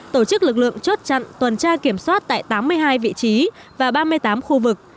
tổ chức lực lượng chốt chặn tuần tra kiểm soát tại tám mươi hai vị trí và ba mươi tám khu vực